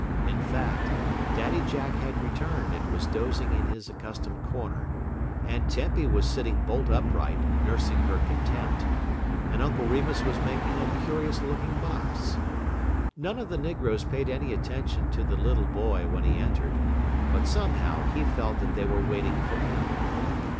In fact, Daddy Jack had returned and was dozing in his accustomed corner, Aunt Tempy was sitting bolt upright, nursing her contempt, and Uncle Remus was making a curious looking box. None of the negroes paid any attention to the little boy when he entered, but somehow he felt that they were waiting for him.